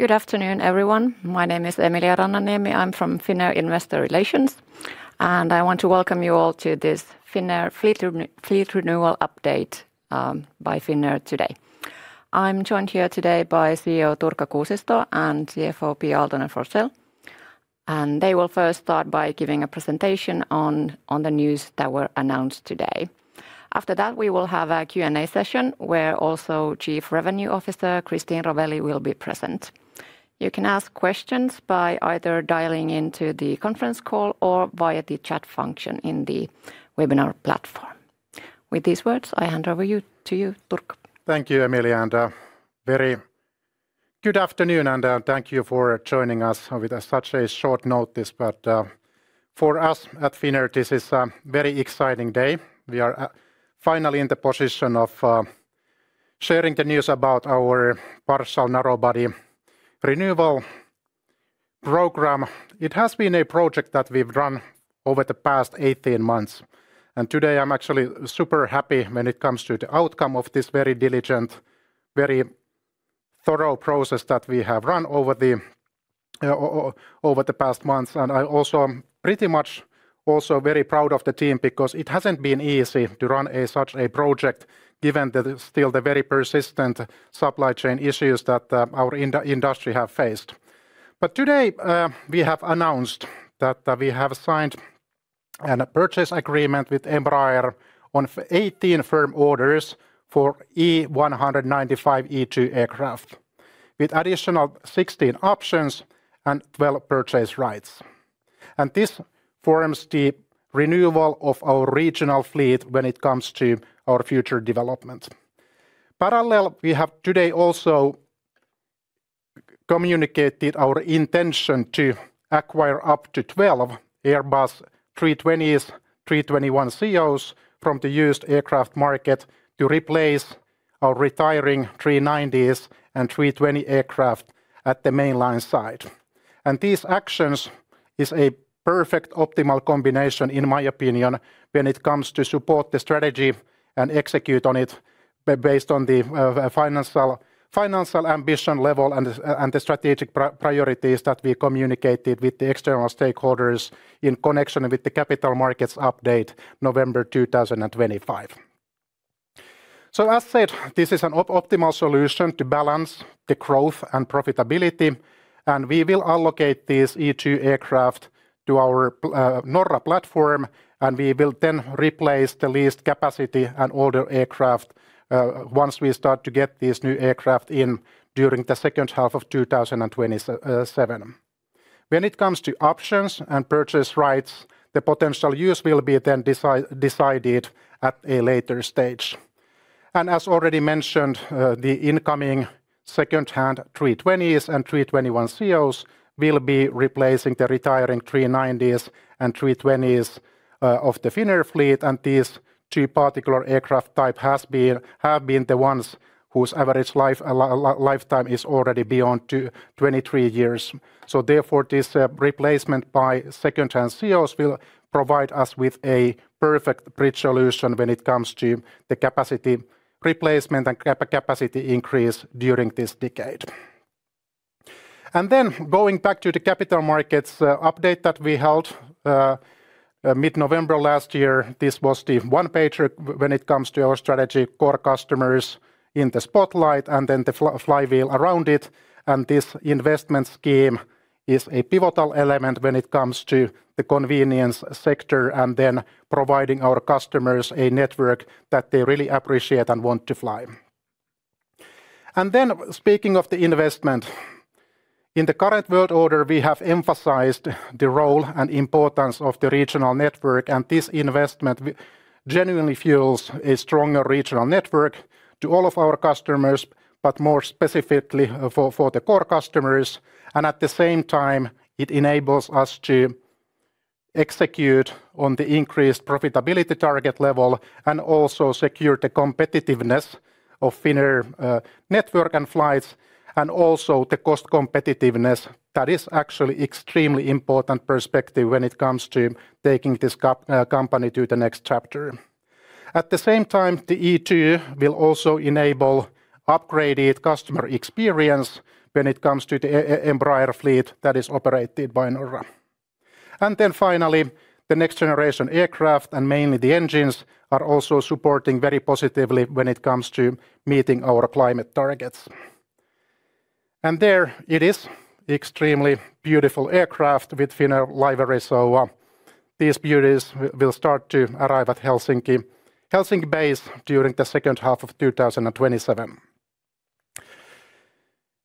Good afternoon, everyone. My name is Emilia Rannanniemi. I'm from Finnair Investor Relations, and I want to welcome you all to this Finnair Fleet renewal update by Finnair today. I'm joined here today by CEO Turkka Kuusisto and CFO Pia Aaltonen-Forsell. They will first start by giving a presentation on the news that were announced today. After that, we will have a Q&A session, where also Chief Revenue Officer Christine Rovelli will be present. You can ask questions by either dialing into the conference call or via the chat function in the webinar platform. With these words, I hand over to you, Turkka. Thank you, Emilia, and very good afternoon and thank you for joining us with such a short notice. For us at Finnair, this is a very exciting day. We are finally in the position of sharing the news about our partial narrow-body renewal program. It has been a project that we've run over the past 18 months, and today I'm actually super happy when it comes to the outcome of this very diligent, very thorough process that we have run over the past months. I also am pretty much also very proud of the team because it hasn't been easy to run such a project, given that still the very persistent supply chain issues that our industry have faced. Today, we have announced that we have signed a purchase agreement with Embraer on 18 firm orders for E195-E2 aircraft with additional 16 options and 12 purchase rights. This forms the renewal of our regional fleet when it comes to our future development. Parallel, we have today also communicated our intention to acquire up to 12 Airbus 320s/321ceos from the used aircraft market to replace our retiring 319s and 320 aircraft at the mainline side. These actions is a perfect optimal combination, in my opinion, when it comes to support the strategy and execute on it based on the financial ambition level and the strategic priorities that we communicated with the external stakeholders in connection with the capital markets update November 2025. As said, this is an optimal solution to balance the growth and profitability, and we will allocate these E2 aircraft to our Norra platform, and we will then replace the leased capacity and older aircraft, once we start to get these new aircraft in during the second half of 2027. When it comes to options and purchase rights, the potential use will be then decided at a later stage. As already mentioned, the incoming second-hand 320s and 321ceos will be replacing the retiring 319s and 320s, of the Finnair fleet. These two particular aircraft types have been the ones whose average lifetime is already beyond 23 years. Therefore, this replacement by second-hand ceos will provide us with a perfect bridge solution when it comes to the capacity replacement and capacity increase during this decade. Going back to the capital markets update that we held mid-November last year, this was the one page when it comes to our strategy core customers in the spotlight and then the flywheel around it. This investment scheme is a pivotal element when it comes to the connectivity sector and then providing our customers a network that they really appreciate and want to fly. Speaking of the investment, in the current world order, we have emphasized the role and importance of the regional network. This investment genuinely fuels a stronger regional network to all of our customers, but more specifically for the core customers. At the same time, it enables us to execute on the increased profitability target level and also secure the competitiveness of Finnair network and flights and also the cost competitiveness that is actually extremely important perspective when it comes to taking this company to the next chapter. At the same time, the E2 will also enable upgraded customer experience when it comes to the Embraer fleet that is operated by Norra. Then finally, the next generation aircraft and mainly the engines are also supporting very positively when it comes to meeting our climate targets. There it is, extremely beautiful aircraft with Finnair livery. These beauties will start to arrive at Helsinki base during the second half of 2027.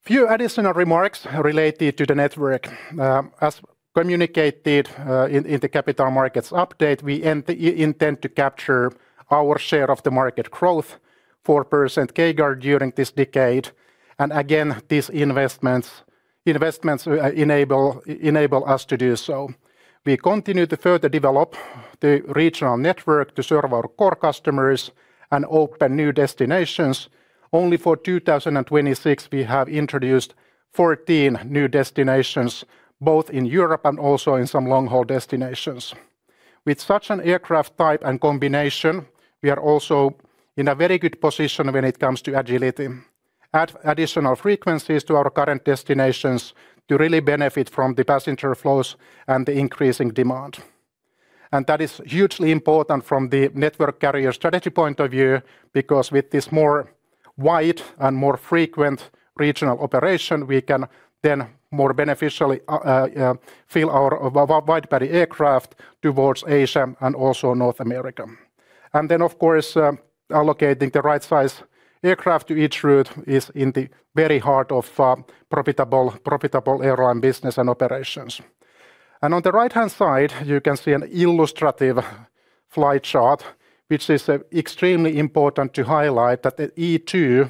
Few additional remarks related to the network. As communicated in the capital markets update, we intend to capture our share of the market growth 4% CAGR during this decade. Again, these investments enable us to do so. We continue to further develop the regional network to serve our core customers and open new destinations. Already for 2026 we have introduced 14 new destinations, both in Europe and also in some long-haul destinations. With such an aircraft type and combination, we are also in a very good position when it comes to agility, add additional frequencies to our current destinations to really benefit from the passenger flows and the increasing demand. That is hugely important from the network carrier strategy point of view, because with this more wide and more frequent regional operation, we can then more beneficially fill our wide-body aircraft towards Asia and also North America. Of course, allocating the right size aircraft to each route is in the very heart of profitable airline business and operations. On the right-hand side you can see an illustrative flight chart, which is extremely important to highlight that the E2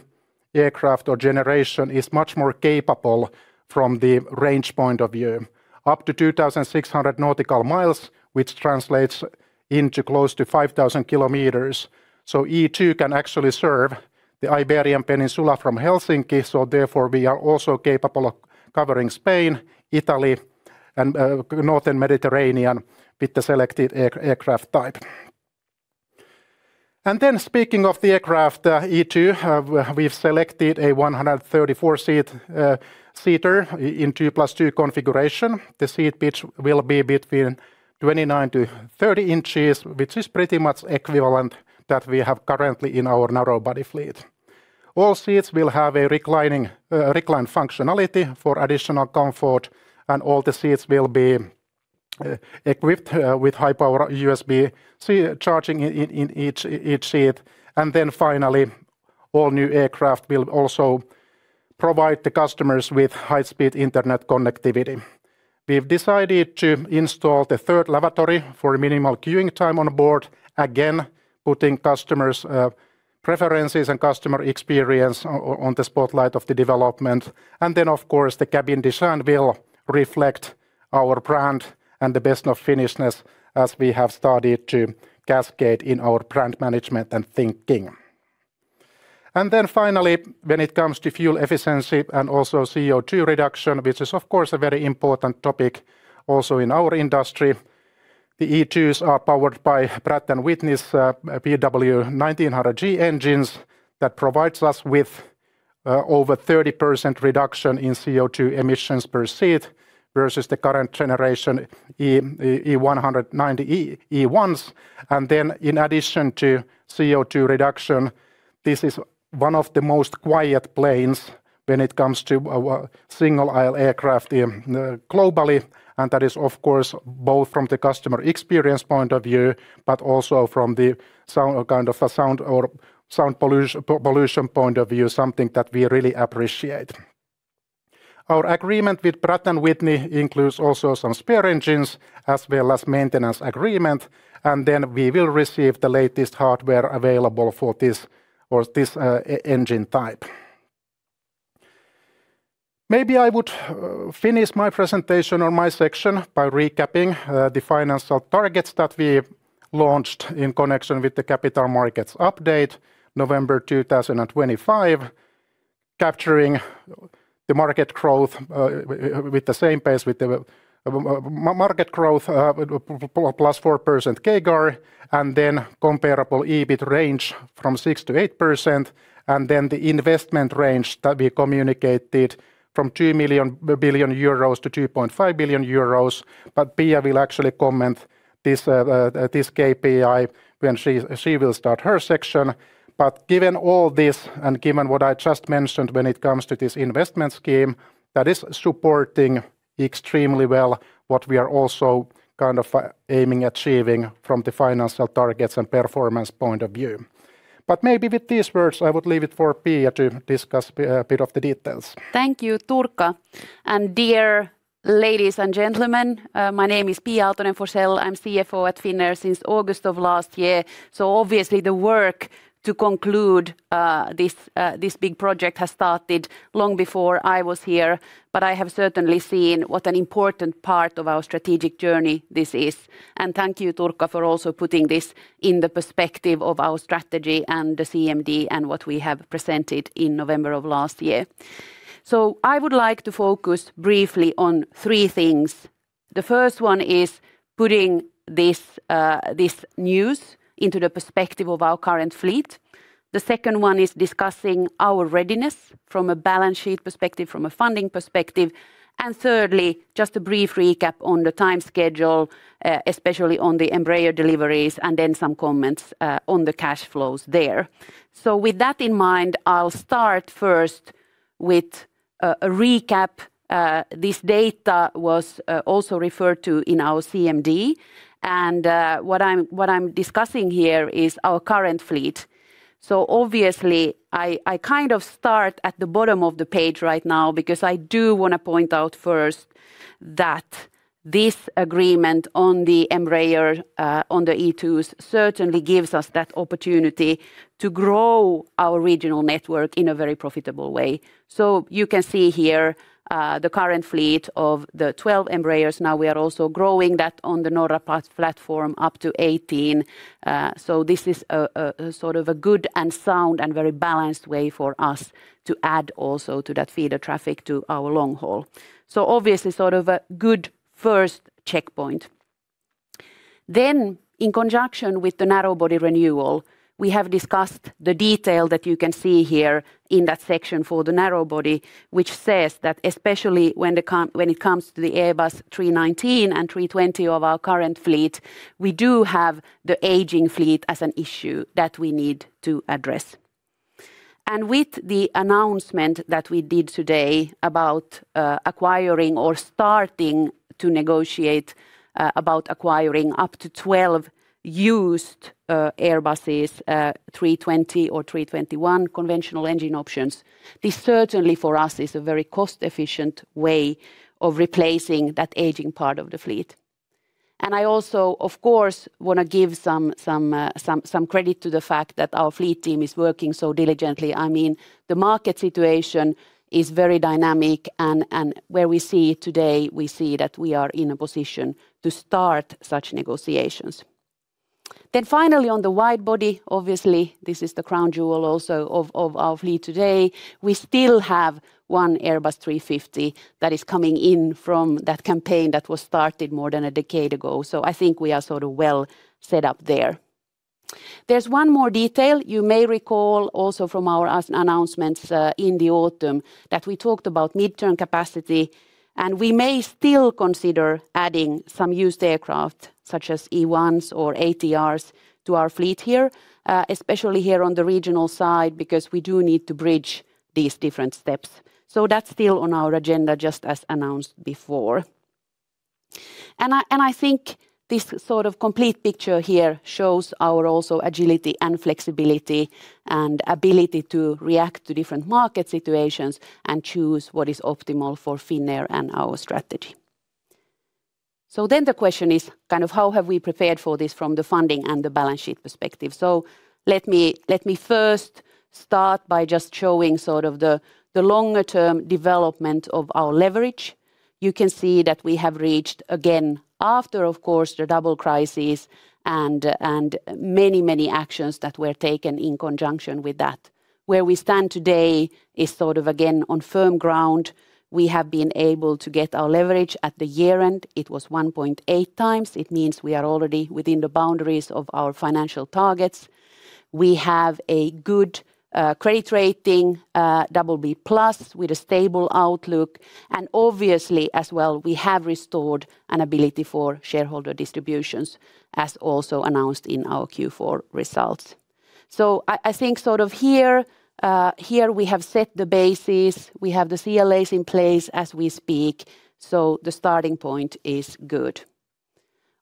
aircraft or generation is much more capable from the range point of view, up to 2,600 nautical miles, which translates into close to 5,000 km. E2 can actually serve the Iberian Peninsula from Helsinki, so therefore we are also capable of covering Spain, Italy and northern Mediterranean with the selected aircraft type. Speaking of the aircraft, E2, we've selected a 134-seat seater in 2+2 configuration. The seat pitch will be between 29-30 inches, which is pretty much equivalent that we have currently in our narrow-body fleet. All seats will have a reclining recline functionality for additional comfort, and all the seats will be equipped with high-power USB charging in each seat. Finally, all new aircraft will also provide the customers with high-speed internet connectivity. We've decided to install the third lavatory for minimal queuing time on board, again, putting customers' preferences and customer experience on the spotlight of the development. Of course the cabin design will reflect our brand and the best of Finnishness as we have started to cascade in our brand management and thinking. Finally, when it comes to fuel efficiency and also CO2 reduction, which is of course a very important topic also in our industry, the E2s are powered by Pratt & Whitney's PW1900G engines that provides us with over 30% reduction in CO2 emissions per seat versus the current generation E190 E1s. In addition to CO2 reduction, this is one of the most quiet planes when it comes to single aisle aircraft globally. That is of course both from the customer experience point of view, but also from the sound pollution point of view, something that we really appreciate. Our agreement with Pratt & Whitney includes also some spare engines as well as maintenance agreement. We will receive the latest hardware available for this engine type. Maybe I would finish my presentation or my section by recapping the financial targets that we launched in connection with the capital markets update November 2025. Capturing the market growth with the same pace with the market growth +4% CAGR and then comparable EBIT range from 6%-8%. Then the investment range that we communicated from 2 billion-2.5 billion euros. Pia will actually comment this KPI when she will start her section. Given all this and given what I just mentioned when it comes to this investment scheme, that is supporting extremely well what we are also kind of aiming achieving from the financial targets and performance point of view. Maybe with these words I would leave it for Pia to discuss EBIT of the details. Thank you, Turkka. Dear ladies and gentlemen, my name is Pia Aaltonen-Forsell. I'm CFO at Finnair since August of last year. Obviously the work to conclude this big project has started long before I was here. I have certainly seen what an important part of our strategic journey this is. Thank you, Turkka, for also putting this in the perspective of our strategy and the CMD and what we have presented in November of last year. I would like to focus briefly on three things. The first one is putting this news into the perspective of our current fleet. The second one is discussing our readiness from a balance sheet perspective, from a funding perspective. Thirdly, just a brief recap on the time schedule, especially on the Embraer deliveries, and then some comments on the cash flows there. With that in mind, I'll start first with a recap. This data was also referred to in our CMD. What I'm discussing here is our current fleet. Obviously I kind of start at the bottom of the page right now because I do want to point out first that this agreement on the Embraer on the E2s certainly gives us that opportunity to grow our regional network in a very profitable way. You can see here the current fleet of the 12 Embraers. Now we are also growing that on the Norra platform up to 18. This is a sort of a good and sound and very balanced way for us to add also to that feeder traffic to our long haul. Obviously sort of a good first checkpoint. In conjunction with the narrow-body renewal, we have discussed the detail that you can see here in that section for the narrow-body, which says that especially when it comes to the Airbus 319 and 320 of our current fleet, we do have the aging fleet as an issue that we need to address. With the announcement that we did today about acquiring or starting to negotiate about acquiring up to 12 used Airbuses 320 or 321 Conventional Engine Options, this certainly for us is a very cost-efficient way of replacing that aging part of the fleet. I also, of course, wanna give some credit to the fact that our fleet team is working so diligently. I mean, the market situation is very dynamic and where we see today, we see that we are in a position to start such negotiations. Finally, on the wide body, obviously this is the crown jewel also of our fleet today. We still have one Airbus 350 that is coming in from that campaign that was started more than a decade ago. I think we are sort of well set up there. There's one more detail you may recall also from our announcements in the autumn that we talked about midterm capacity, and we may still consider adding some used aircraft such as E1s or ATRs to our fleet here, especially here on the regional side, because we do need to bridge these different steps. That's still on our agenda, just as announced before. I think this sort of complete picture here shows our also agility and flexibility and ability to react to different market situations and choose what is optimal for Finnair and our strategy. The question is kind of how have we prepared for this from the funding and the balance sheet perspective? Let me first start by just showing sort of the longer term development of our leverage. You can see that we have reached again after of course the double crisis and many, many actions that were taken in conjunction with that. Where we stand today is sort of again on firm ground. We have been able to get our leverage. At the year end, it was 1.8x. It means we are already within the boundaries of our financial targets. We have a good credit rating, BB+ with a stable outlook, and obviously as well, we have restored an ability for shareholder distributions as also announced in our Q4 results. I think sort of here we have set the bases, we have the CLAs in place as we speak, so the starting point is good.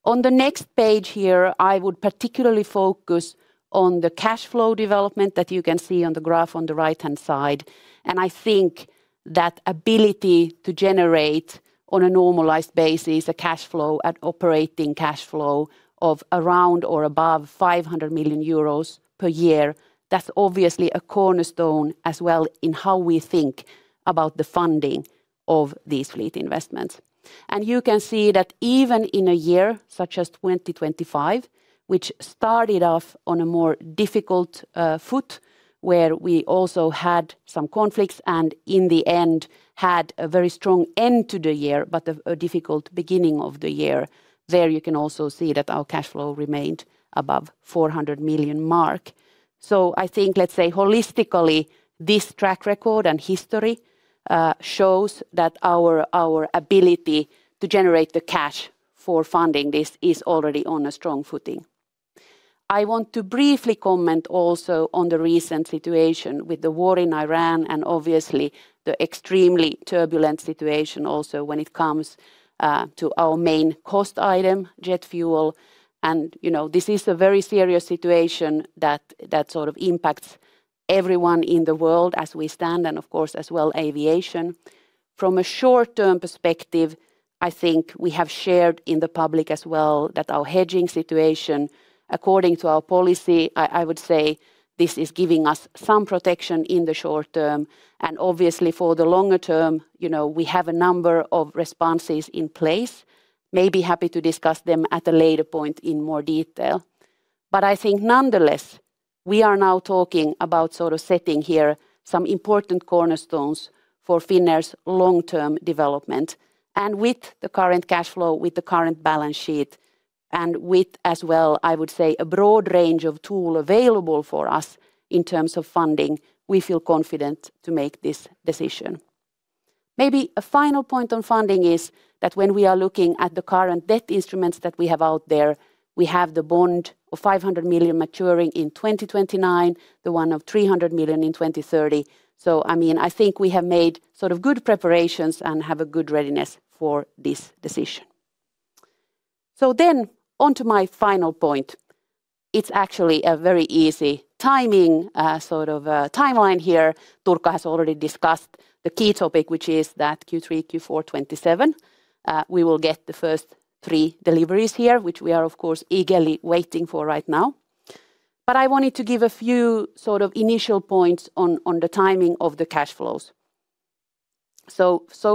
On the next page here, I would particularly focus on the cash flow development that you can see on the graph on the right-hand side, and I think that ability to generate on a normalized basis a cash flow, an operating cash flow of around or above 500 million euros per year, that's obviously a cornerstone as well in how we think about the funding of these fleet investments. You can see that even in a year such as 2025, which started off on a more difficult foot, where we also had some conflicts and in the end had a very strong end to the year, but a difficult beginning of the year, there you can also see that our cash flow remained above 400 million mark. I think, let's say holistically, this track record and history shows that our ability to generate the cash for funding this is already on a strong footing. I want to briefly comment also on the recent situation with the war in Iran and obviously the extremely turbulent situation also when it comes to our main cost item, jet fuel. You know, this is a very serious situation that sort of impacts everyone in the world as we stand, and of course as well aviation. From a short-term perspective, I think we have shared in the public as well that our hedging situation, according to our policy, I would say this is giving us some protection in the short term. Obviously for the longer term, you know, we have a number of responses in place, we may be happy to discuss them at a later point in more detail. But I think nonetheless, we are now talking about sort of setting here some important cornerstones for Finnair's long-term development and with the current cash flow, with the current balance sheet and with, as well, I would say, a broad range of tools available for us in terms of funding, we feel confident to make this decision. Maybe a final point on funding is that when we are looking at the current debt instruments that we have out there, we have the bond of 500 million maturing in 2029, the one of 300 million in 2030. I mean, I think we have made sort of good preparations and have a good readiness for this decision. On to my final point. It's actually a very easy timing, sort of, timeline here. Turkka has already discussed the key topic, which is that Q3, Q4 2027, we will get the first three deliveries here, which we are of course eagerly waiting for right now. I wanted to give a few sort of initial points on the timing of the cash flows.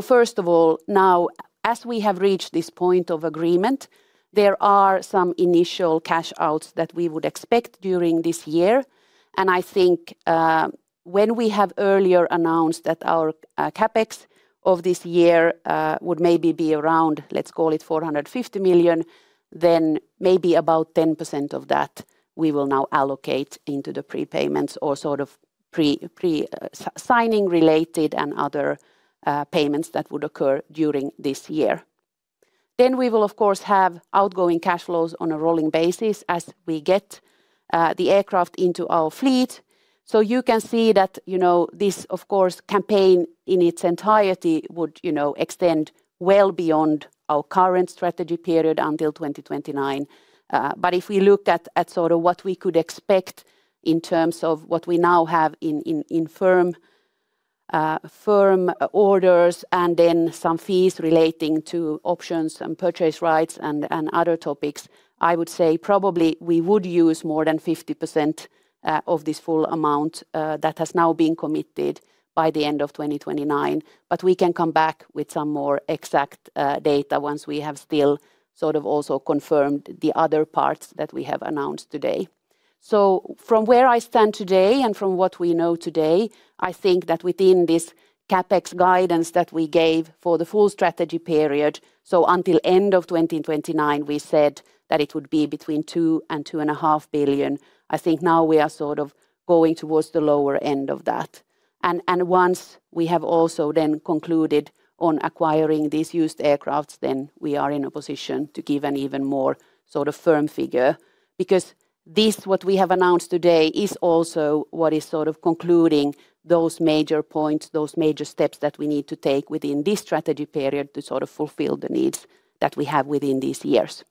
First of all, now as we have reached this point of agreement, there are some initial cash outs that we would expect during this year, and I think, when we have earlier announced that our CapEx of this year would maybe be around, let's call it 450 million, then maybe about 10% of that. We will now allocate into the prepayments or sort of pre-signing related and other payments that would occur during this year. Then we will, of course, have outgoing cash flows on a rolling basis as we get the aircraft into our fleet. You can see that, you know, this, of course, campaign in its entirety would, you know, extend well beyond our current strategy period until 2029. If we look at sort of what we could expect in terms of what we now have in firm orders and then some fees relating to options and purchase rights and other topics, I would say probably we would use more than 50% of this full amount that has now been committed by the end of 2029. We can come back with some more exact data once we have still sort of also confirmed the other parts that we have announced today. From where I stand today and from what we know today, I think that within this CapEx guidance that we gave for the full strategy period, so until end of 2029, we said that it would be between 2 billion and 2.5 billion. I think now we are sort of going towards the lower end of that. Once we have also then concluded on acquiring these used aircrafts, then we are in a position to give an even more sort of firm figure because this, what we have announced today, is also what is sort of concluding those major points, those major steps that we need to take within this strategy period to sort of fulfill the needs that we have within these years.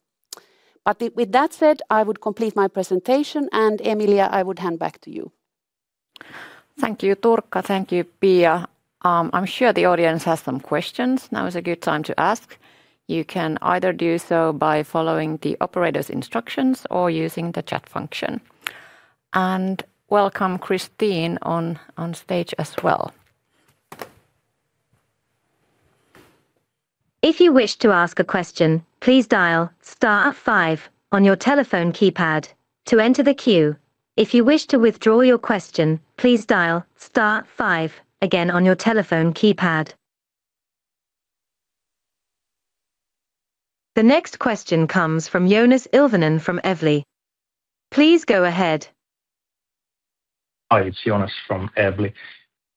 With that said, I would complete my presentation, and Emilia, I would hand back to you. Thank you, Turkka. Thank you, Pia. I'm sure the audience has some questions. Now is a good time to ask. You can either do so by following the operator's instructions or using the chat function. Welcome Christine on stage as well. If you wish to ask a question, please dial star five on your telephone keypad to enter the queue. If you wish to withdraw your question, please dial star five again on your telephone keypad. The next question comes from Joonas Ilvonen from Evli. Please go ahead. Hi, it's Joonas from Evli.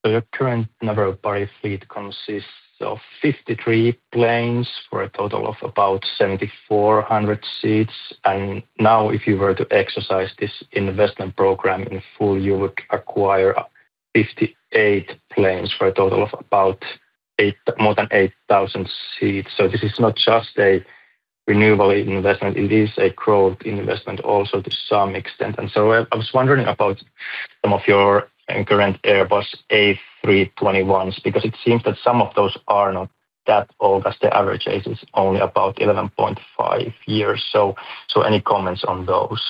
Your current narrow-body fleet consists of 53 planes for a total of about 7,400 seats. Now if you were to exercise this investment program in full, you would acquire 58 planes for a total of about more than 8,000 seats. This is not just a renewable investment, it is a growth investment also to some extent. I was wondering about some of your current Airbus A321s, because it seems that some of those are not that old as the average age is only about 11.5 years. Any comments on those?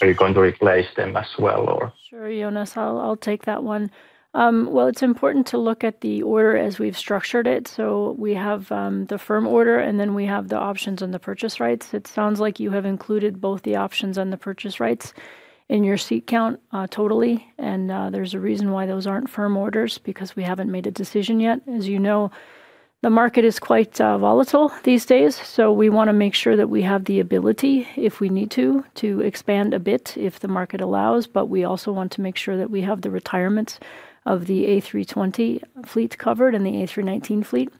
Are you going to replace them as well or? Sure, Joonas, I'll take that one. Well, it's important to look at the order as we've structured it. We have the firm order, and then we have the options and the purchase rights. It sounds like you have included both the options and the purchase rights in your seat count, totally. There's a reason why those aren't firm orders, because we haven't made a decision yet. As you know, the market is quite volatile these days, so we wanna make sure that we have the ability, if we need to expand a bit if the market allows. We also want to make sure that we have the retirements of the A320 fleet covered and the A319 fleet,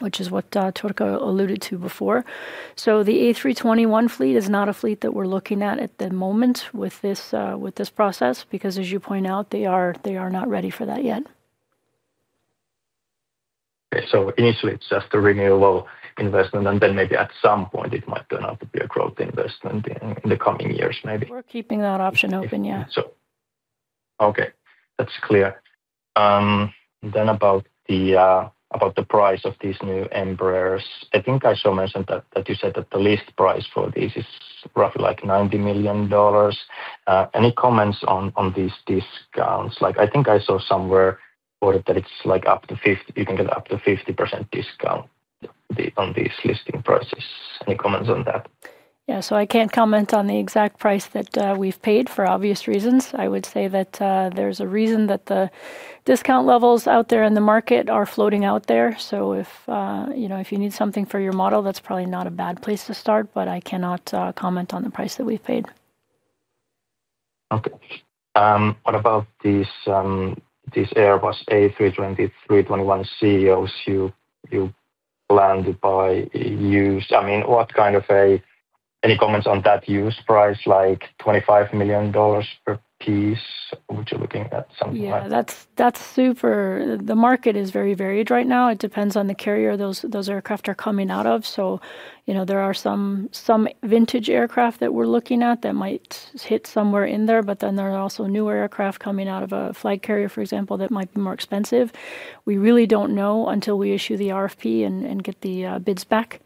which is what Turkka alluded to before. The A321 fleet is not a fleet that we're looking at the moment with this process, because as you point out, they are not ready for that yet. Okay. Initially it's just a renewable investment, and then maybe at some point it might turn out to be a growth investment in the coming years maybe. We're keeping that option open, yeah. Okay. That's clear. About the price of these new Embraers. I think I saw mentioned that you said that the list price for this is roughly like $90 million. Any comments on these discounts? Like, I think I saw somewhere or read that it's like up to 50% discount on these list prices. Any comments on that? Yeah. I can't comment on the exact price that we've paid for obvious reasons. I would say that there's a reason that the discount levels out there in the market are floating out there. If you know, if you need something for your model, that's probably not a bad place to start, but I cannot comment on the price that we've paid. What about these Airbus A320, 321ceos you plan to buy used? I mean, what kind of. Any comments on that used price, like $25 million per piece? Are you looking at something like that? The market is very varied right now. It depends on the carrier those aircraft are coming out of. You know, there are some vintage aircraft that we're looking at that might hit somewhere in there. But then there are also newer aircraft coming out of a flag carrier, for example, that might be more expensive. We really don't know until we issue the RFP and get the bids back.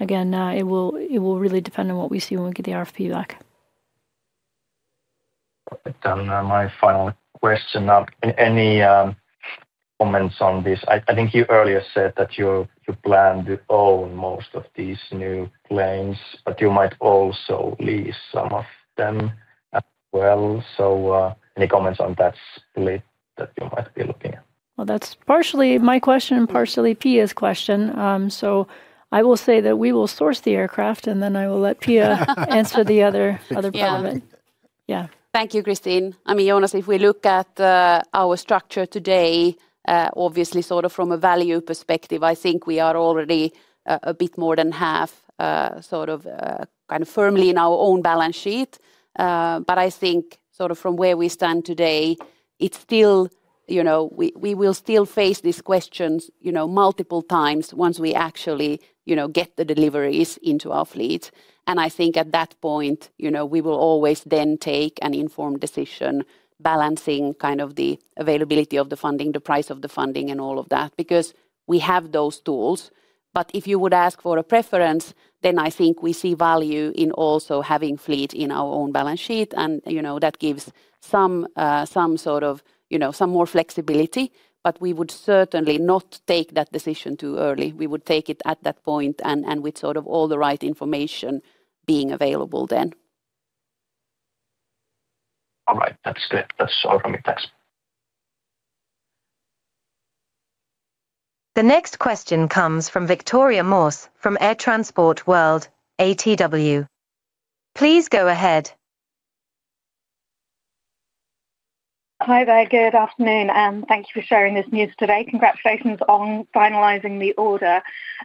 It will really depend on what we see when we get the RFP back. My final question. Any comments on this? I think you earlier said that you plan to own most of these new planes, but you might also lease some of them as well. Any comments on that split that you might be looking at? Well, that's partially my question and partially Pia's question. I will say that we will source the aircraft, and then I will let Pia answer the other part of it. Yeah. Yeah. Thank you, Christine. I mean, honestly, if we look at our structure today, obviously sort of from a value perspective, I think we are already a bit more than half sort of kind of firmly in our own balance sheet. But I think sort of from where we stand today, it's still, you know, we will still face these questions, you know, multiple times once we actually, you know, get the deliveries into our fleet. I think at that point, you know, we will always then take an informed decision balancing kind of the availability of the funding, the price of the funding and all of that, because we have those tools. If you would ask for a preference, then I think we see value in also having fleet in our own balance sheet and, you know, that gives some sort of, you know, some more flexibility. We would certainly not take that decision too early. We would take it at that point and with sort of all the right information being available then. All right. That's clear. That's all from me. Thanks. The next question comes from Victoria Moores from Air Transport World, ATW. Please go ahead. Hi there. Good afternoon, and thank you for sharing this news today. Congratulations on finalizing the order.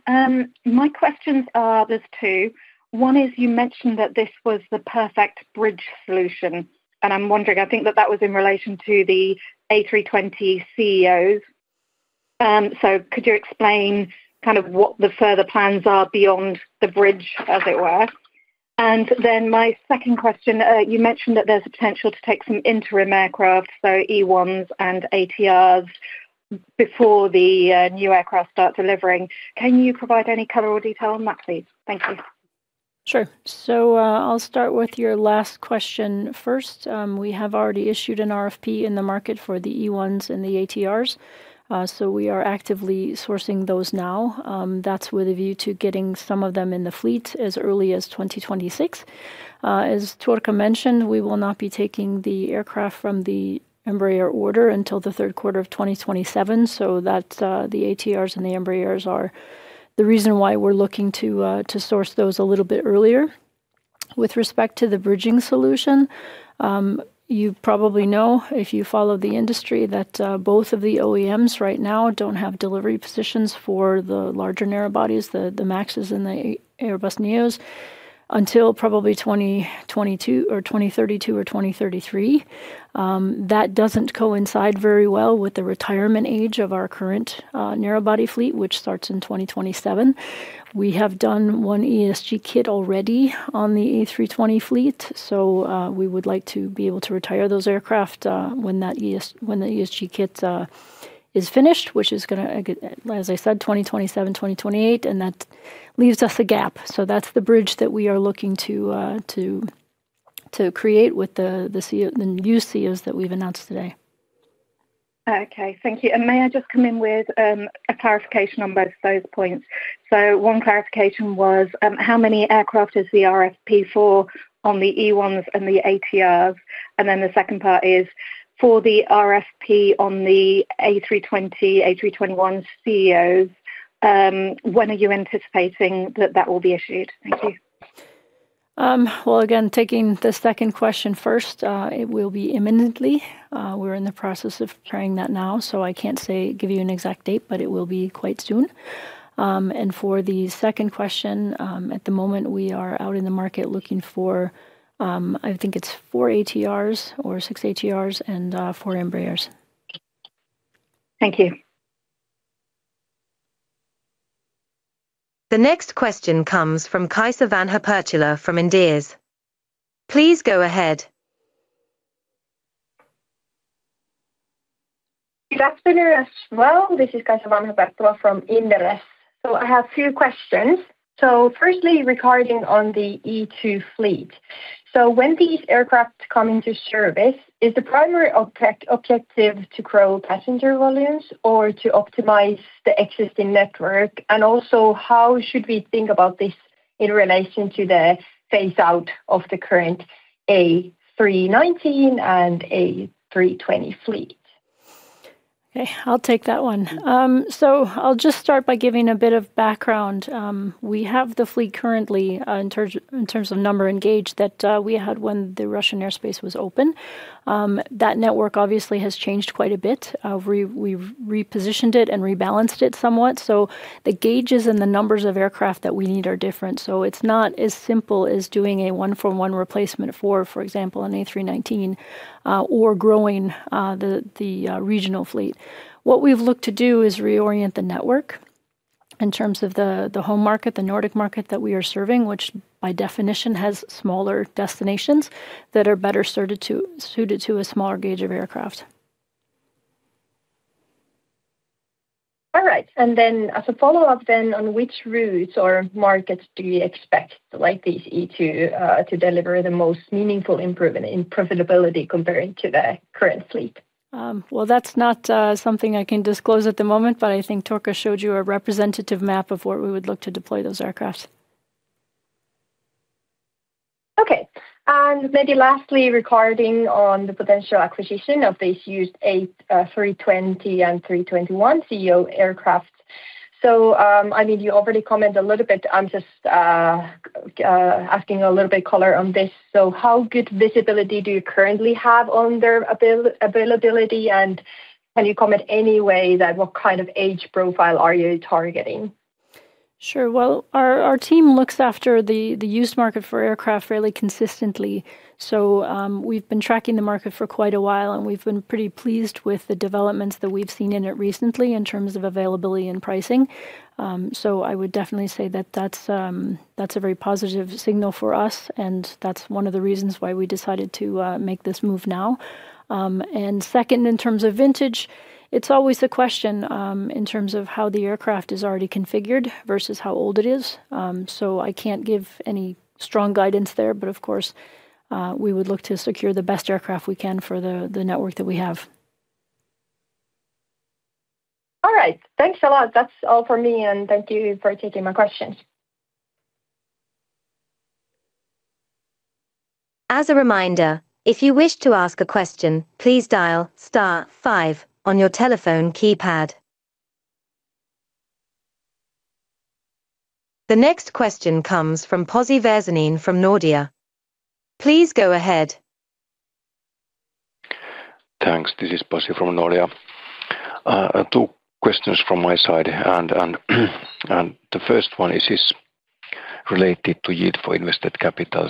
My questions are, there's two. One is, you mentioned that this was the perfect bridge solution, and I'm wondering, I think that was in relation to the A320ceo. Could you explain kind of what the further plans are beyond the bridge, as it were? My second question, you mentioned that there's a potential to take some interim aircraft, so E1s and ATRs before the new aircraft start delivering. Can you provide any color or detail on that, please? Thank you. Sure. I'll start with your last question first. We have already issued an RFP in the market for the E1s and the ATRs, so we are actively sourcing those now. That's with a view to getting some of them in the fleet as early as 2026. As Turkka mentioned, we will not be taking the aircraft from the Embraer order until the third quarter of 2027. That's the ATRs and the Embraers are the reason why we're looking to source those a little bit earlier. With respect to the bridging solution, you probably know if you follow the industry that both of the OEMs right now don't have delivery positions for the larger narrow bodies, the MAXs and the Airbus NEOs, until probably 2022 or 2032 or 2033. That doesn't coincide very well with the retirement age of our current narrow-body fleet, which starts in 2027. We have done one ESG kit already on the A320 fleet, we would like to be able to retire those aircraft when the ESG kit is finished, which is, as I said, 2027, 2028, and that leaves us a gap. That's the bridge that we are looking to create with the new ceos that we've announced today. Okay. Thank you. May I just come in with a clarification on both those points? One clarification was how many aircraft is the RFP for on the E1s and the ATRs? Then the second part is for the RFP on the A320, A321ceos, when are you anticipating that will be issued? Thank you. Well, again, taking the second question first, it will be imminently. We're in the process of preparing that now, so I can't say give you an exact date, but it will be quite soon. For the second question, at the moment, we are out in the market looking for, I think it's 4 ATRs or 6 ATRs and 4 Embraers. Thank you. The next question comes from Kaisa Vanha-Perttula from Inderes. Please go ahead. Good afternoon as well. This is Kaisa Vanha-Perttula from Inderes. I have two questions. Firstly, regarding the E2 fleet. When these aircraft come into service, is the primary objective to grow passenger volumes or to optimize the existing network? How should we think about this in relation to the phase out of the current A319 and A320 fleet? Okay, I'll take that one. I'll just start by giving a bit of background. We have the fleet currently, in terms of number and gauge that we had when the Russian airspace was open. That network obviously has changed quite a bit. We've repositioned it and rebalanced it somewhat. The gauges and the numbers of aircraft that we need are different. It's not as simple as doing a one-for-one replacement for example, an A319, or growing the regional fleet. What we've looked to do is reorient the network in terms of the home market, the Nordic market that we are serving, which by definition has smaller destinations that are better suited to a smaller gauge of aircraft. All right. As a follow-up then, on which routes or markets do you expect like the E2 to deliver the most meaningful improvement in profitability comparing to the current fleet? Well, that's not something I can disclose at the moment, but I think Turkka Kuusisto showed you a representative map of where we would look to deploy those aircraft. Maybe lastly, regarding the potential acquisition of these used A320 and A321ceo aircraft. I mean, you already comment a little bit. I'm just asking a little color on this. How good visibility do you currently have on their availability? And can you comment in any way on what kind of age profile are you targeting? Sure. Well, our team looks after the used market for aircraft fairly consistently. We've been tracking the market for quite a while, and we've been pretty pleased with the developments that we've seen in it recently in terms of availability and pricing. I would definitely say that's a very positive signal for us, and that's one of the reasons why we decided to make this move now. Second, in terms of vintage, it's always a question in terms of how the aircraft is already configured versus how old it is. I can't give any strong guidance there, but of course, we would look to secure the best aircraft we can for the network that we have. All right. Thanks a lot. That's all for me, and thank you for taking my questions. As a reminder, if you wish to ask a question, please dial star five on your telephone keypad. The next question comes from Pasi Väisänen from Nordea. Please go ahead. Thanks. This is Pasi from Nordea. Two questions from my side and the first one is related to yield for invested capital.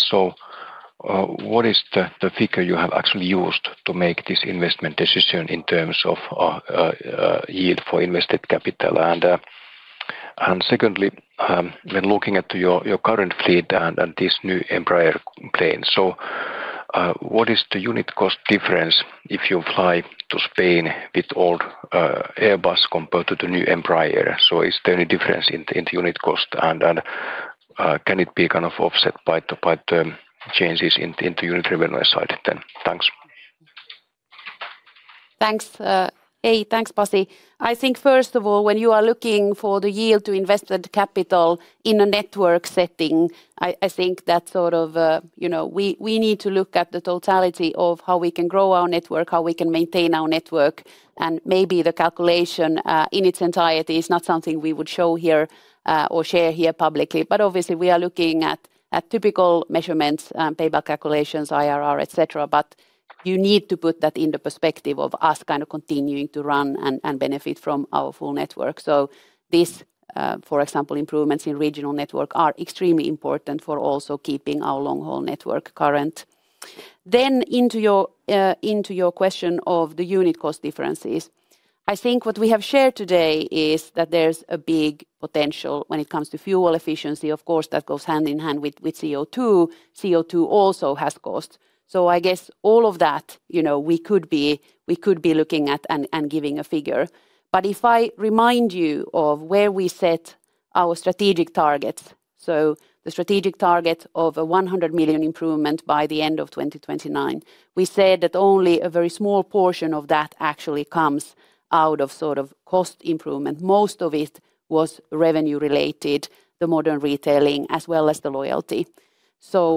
What is the figure you have actually used to make this investment decision in terms of yield for invested capital? Secondly, when looking at your current fleet and this new Embraer plane, what is the unit cost difference if you fly to Spain with old Airbus compared to the new Embraer? Is there any difference in the unit cost and can it be kind of offset by the changes in the unit revenue side then? Thanks. Thanks. Hey, thanks, Pasi. I think first of all, when you are looking for the yield to invested capital in a network setting, I think that sort of, you know, we need to look at the totality of how we can grow our network, how we can maintain our network. Maybe the calculation in its entirety is not something we would show here or share here publicly. Obviously we are looking at typical measurements, payback calculations, IRR, et cetera. You need to put that in the perspective of us kind of continuing to run and benefit from our full network. This, for example, improvements in regional network are extremely important for also keeping our long-haul network current. Into your question of the unit cost differences. I think what we have shared today is that there's a big potential when it comes to fuel efficiency. Of course, that goes hand in hand with CO2. CO2 also has cost. I guess all of that, you know, we could be looking at and giving a figure. But if I remind you of where we set our strategic targets, the strategic target of a 100 million improvement by the end of 2029, we said that only a very small portion of that actually comes out of sort of cost improvement. Most of it was revenue related, the modern retailing, as well as the loyalty.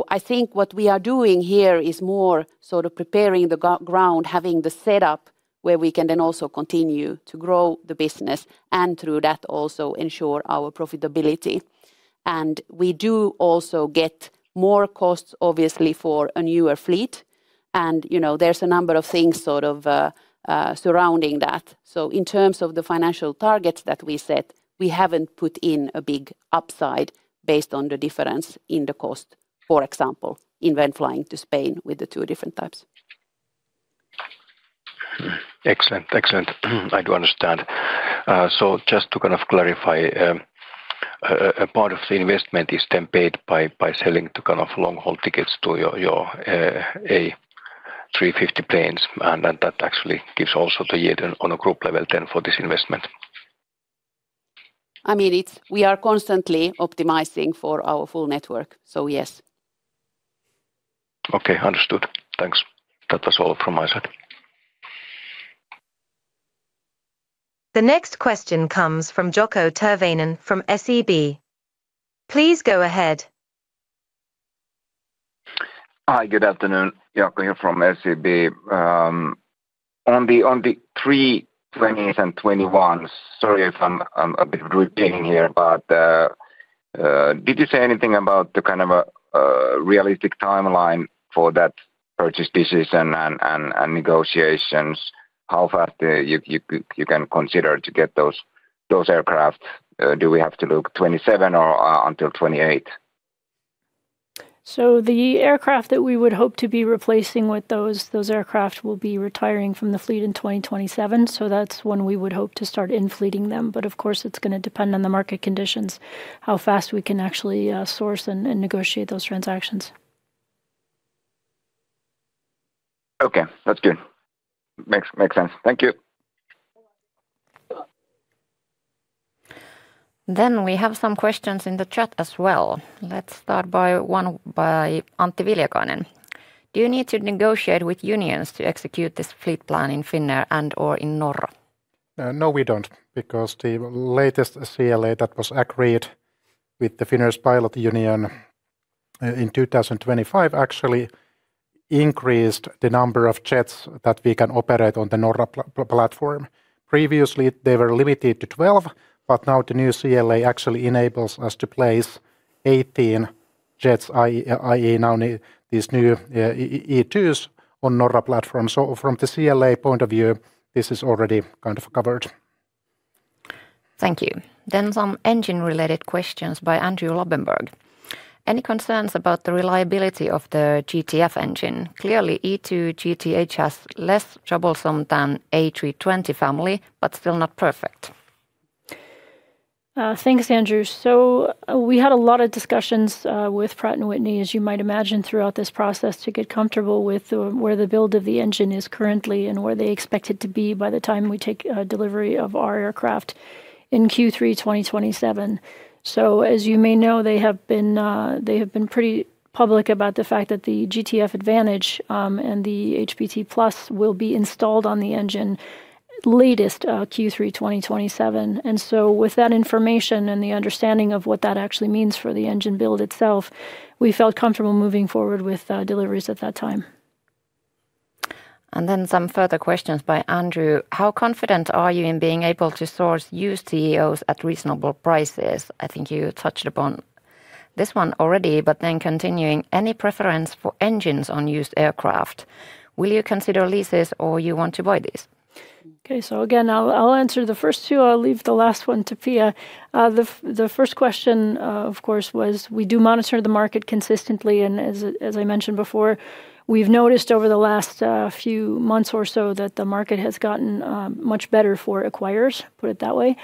I think what we are doing here is more sort of preparing the ground, having the setup where we can then also continue to grow the business and through that also ensure our profitability. We do also get more costs, obviously, for a newer fleet. You know, there's a number of things sort of surrounding that. In terms of the financial targets that we set, we haven't put in a big upside based on the difference in the cost, for example, in when flying to Spain with the two different types. Excellent. I do understand. So just to kind of clarify, a part of the investment is then paid by selling the kind of long-haul tickets to your A350 planes, and that actually gives also the yield on a group level then for this investment? I mean, we are constantly optimizing for our full network, so yes. Okay. Understood. Thanks. That was all from my side. The next question comes from Jaakko Tyrväinen from SEB. Please go ahead. Hi, good afternoon. Jaakko Tyrväinen here from SEB. On the 320 and 321s, sorry if I'm a bit repeating here, but did you say anything about the kind of a realistic timeline for that purchase decision and negotiations? How fast you can consider to get those aircraft? Do we have to look 2027 or until 2028? The aircraft that we would hope to be replacing with those aircraft will be retiring from the fleet in 2027. That's when we would hope to start in-fleeting them. But of course, it's gonna depend on the market conditions, how fast we can actually source and negotiate those transactions. Okay. That's good. Makes sense. Thank you. We have some questions in the chat as well. Let's start with one by Antti Viljakainen. Do you need to negotiate with unions to execute this fleet plan in Finnair and/or in Norra? No, we don't because the latest CLA that was agreed with the Finnish Pilot Union in 2025 actually increased the number of jets that we can operate on the Norra platform. Previously, they were limited to 12, but now the new CLA actually enables us to place 18 jets, i.e., now these new E2s on Norra platform. From the CLA point of view, this is already kind of covered. Thank you. Some engine related questions by Andrew Lobbenberg. Any concerns about the reliability of the GTF engine? Clearly, E2 GTF has less troublesome than A320 family, but still not perfect. Thanks Andrew. We had a lot of discussions with Pratt & Whitney, as you might imagine, throughout this process to get comfortable with where the build of the engine is currently and where they expect it to be by the time we take delivery of our aircraft in Q3 2027. As you may know, they have been pretty public about the fact that the GTF Advantage and the HPT Plus will be installed on the engine latest Q3 2027. With that information and the understanding of what that actually means for the engine build itself, we felt comfortable moving forward with deliveries at that time. Some further questions by Andrew: How confident are you in being able to source used ceos at reasonable prices? I think you touched upon this one already. Continuing, any preference for engines on used aircraft? Will you consider leases or you want to buy these? Okay. Again, I'll answer the first two. I'll leave the last one to Pia. The first question, of course, was we do monitor the market consistently, and as I mentioned before, we've noticed over the last few months or so that the market has gotten much better for acquirers. Put it that way.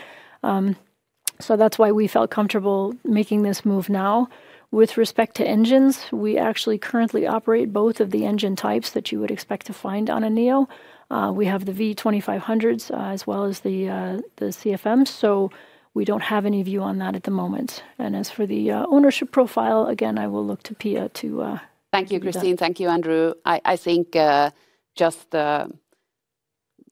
That's why we felt comfortable making this move now. With respect to engines, we actually currently operate both of the engine types that you would expect to find on a CEO. We have the V2500s as well as the CFMs, so we don't have any view on that at the moment. As for the ownership profile, again, I will look to Pia. Thank you, Christine. Thank you, Andrew. I think just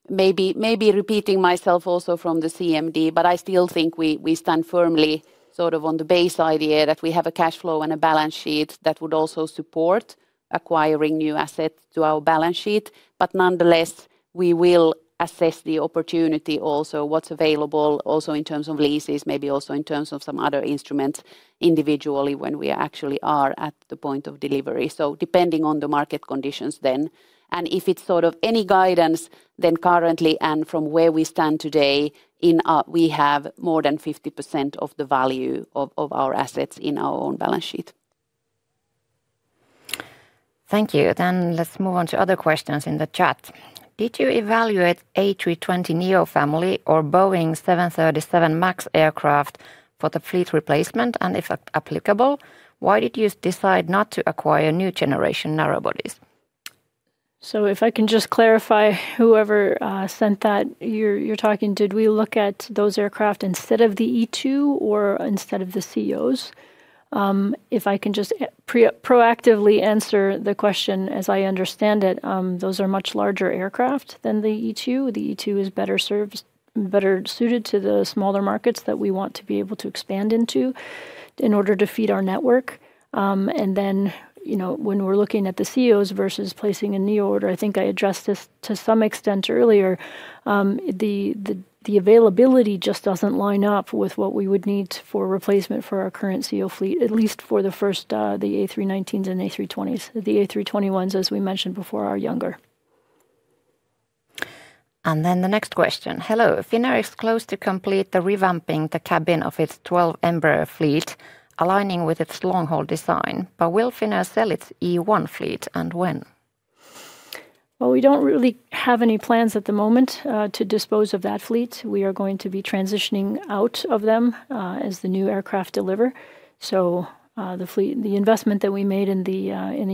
maybe repeating myself also from the CMD, but I still think we stand firmly sort of on the base idea that we have a cash flow and a balance sheet that would also support acquiring new assets to our balance sheet. But nonetheless, we will assess the opportunity also what's available also in terms of leases, maybe also in terms of some other instruments individually when we actually are at the point of delivery. Depending on the market conditions then. If it's sort of any guidance, then currently and from where we stand today, we have more than 50% of the value of our assets in our own balance sheet. Thank you. Let's move on to other questions in the chat. Did you evaluate A320neo family or Boeing 737 MAX aircraft for the fleet replacement? If applicable, why did you decide not to acquire new generation narrow bodies? If I can just clarify, whoever sent that, you're talking did we look at those aircraft instead of the E2 or instead of the ceos? If I can just proactively answer the question as I understand it, those are much larger aircraft than the E2. The E2 is better suited to the smaller markets that we want to be able to expand into in order to feed our network. And then, you know, when we're looking at the ceos versus placing a neo order, I think I addressed this to some extent earlier. The availability just doesn't line up with what we would need for replacement for our current ceo fleet, at least for the first, the A319s and A320s. The A321s, as we mentioned before, are younger. Hello. Finnair is close to completing the revamping of the cabin of its 12 Embraer fleet, aligning with its long-haul design. Will Finnair sell its E1 fleet, and when? Well, we don't really have any plans at the moment to dispose of that fleet. We are going to be transitioning out of them as the new aircraft deliver. The fleet, the investment that we made in the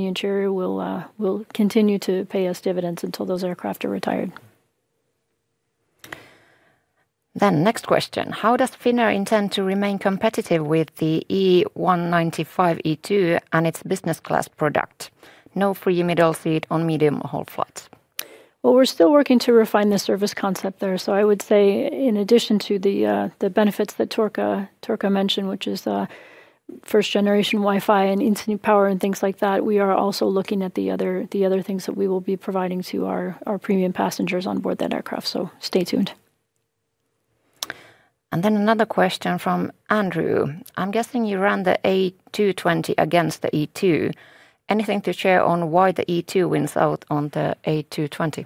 interior will continue to pay us dividends until those aircraft are retired. Next question: How does Finnair intend to remain competitive with the E195-E2 and its business class product? No free middle seat on medium-haul flights. Well, we're still working to refine the service concept there. I would say in addition to the benefits that Turkka mentioned, which is first generation Wi-Fi and in-seat power and things like that, we are also looking at the other things that we will be providing to our premium passengers on board that aircraft. Stay tuned. Another question from Andrew. I'm guessing you ran the A220 against the E2. Anything to share on why the E2 wins out on the A220?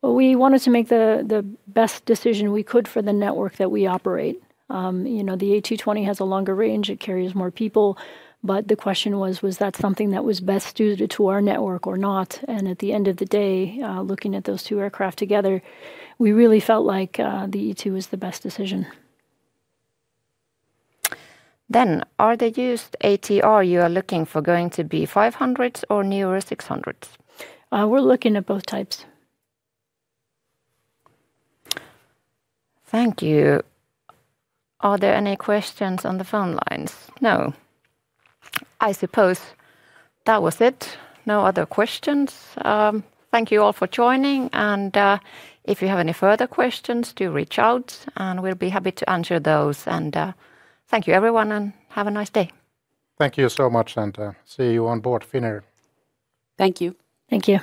Well, we wanted to make the best decision we could for the network that we operate. You know, the A220 has a longer range. It carries more people. The question was that something that was best suited to our network or not? At the end of the day, looking at those two aircraft together, we really felt like the E2 was the best decision. Are the used ATR you are looking for going to be 500s or newer 600s? We're looking at both types. Thank you. Are there any questions on the phone lines? No. I suppose that was it. No other questions. Thank you all for joining, and, if you have any further questions, do reach out, and we'll be happy to answer those. Thank you, everyone, and have a nice day. Thank you so much. See you on board Finnair. Thank you. Thank you.